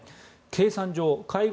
計算上介護